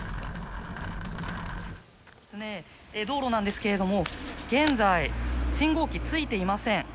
道路なんですけれども、現在、信号機ついていません。